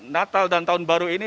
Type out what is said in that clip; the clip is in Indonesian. natal dan tahun baru ini